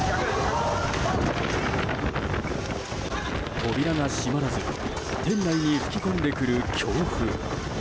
扉が閉まらず店内に吹き込んでくる強風。